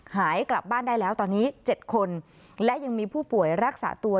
หายกลับบ้านได้แล้วตอนนี้๗คนและยังมีผู้ป่วยรักษาตัว